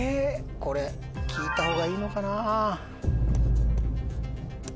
これ聞いたほうがいいのかな？